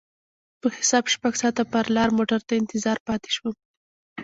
په حساب شپږ ساعته پر لار موټر ته انتظار پاتې شوم.